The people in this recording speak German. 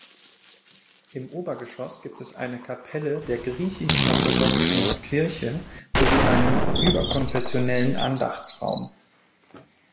Im Obergeschoss gibt es eine Kapelle der griechisch-orthodoxen Kirche sowie einen überkonfessionellen Andachtsraum.